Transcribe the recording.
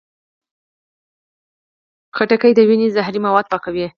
خټکی د وینې زهري مواد پاکوي.